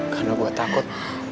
karena gua takut